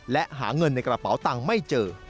และหาเงินในกระเป๋าตังค์ไม่เจอ